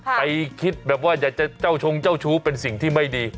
ไปคิดแบบว่าอยากจะเจ้าชงเจ้าชู้เป็นสิ่งที่ไม่ดี